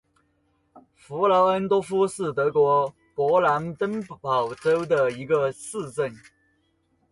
弗劳恩多夫是德国勃兰登堡州的一个市镇。